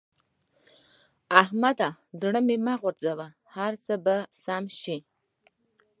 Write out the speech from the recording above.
احمده! زړه مه غورځوه؛ هر څه به سم شي.